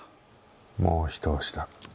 もうひと押しだ。